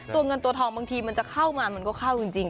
ตัวเงินตัวทองบางทีมันจะเข้ามามันก็เข้าจริง